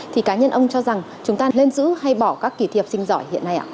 thì cá nhân ông cho rằng chúng ta lên giữ hay bỏ các kỳ thi học sinh giỏi hiện nay ạ